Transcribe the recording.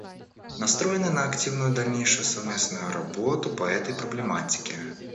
Настроены на активную дальнейшую совместную работу по этой проблематике.